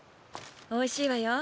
おいしいわよ。